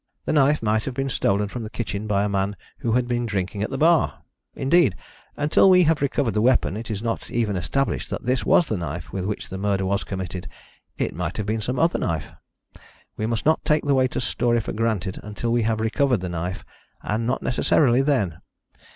The knife might have been stolen from the kitchen by a man who had been drinking at the bar; indeed, until we have recovered the weapon it is not even established that this was the knife with which the murder was committed. It might have been some other knife. We must not take the waiter's story for granted until we have recovered the knife, and not necessarily then.